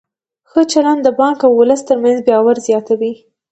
ښه چلند د بانک او ولس ترمنځ باور زیاتوي.